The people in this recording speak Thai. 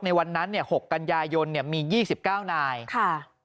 ในวันนั้นเนี่ยหกกัญญายนเนี่ยมียี่สิบเก้านายค่ะ